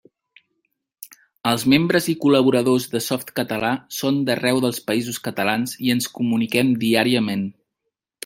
Els membres i col·laboradors de Softcatalà són d'arreu dels Països Catalans i ens comuniquem diàriament.